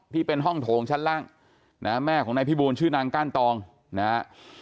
ที่เป็นห้องโถงชั้นล่างนะฮะแม่ของนายพิบูลชื่อนางก้านตองนะฮะ